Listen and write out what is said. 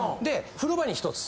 風呂場に１つ。